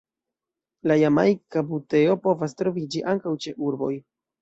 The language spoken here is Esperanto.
La Jamajka buteo povas troviĝi ankaŭ ĉe urboj.